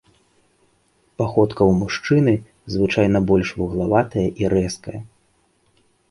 Паходка ў мужчыны звычайна больш вуглаватая і рэзкая.